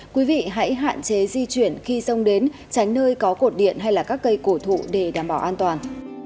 quý vị hãy hạn chế di chuyển khi sông đến tránh nơi có cột điện hay các cây cổ thụ để đảm bảo an toàn